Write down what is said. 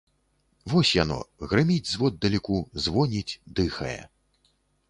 Вось яно, грыміць зводдалеку, звоніць, дыхае.